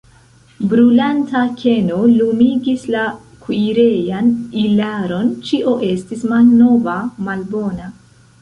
Brulanta keno lumigis la kuirejan ilaron, ĉio estis malnova, malbona.